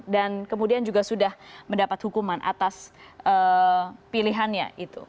dan kemudian juga sudah mendapat hukuman atas pilihannya itu